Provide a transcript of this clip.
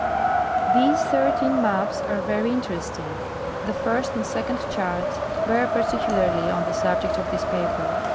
These thirteen maps are very interesting. The first and second charts bear j)articularly on the subject of this paper.